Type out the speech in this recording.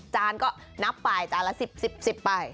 จากละสิบไป